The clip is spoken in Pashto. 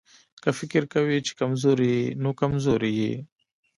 که فکر کوې چې کمزوری يې نو کمزوری يې.